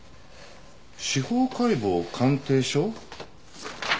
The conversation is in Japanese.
「司法解剖鑑定書」？